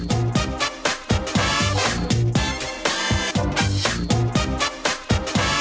เราทานน้ำจิ้มดู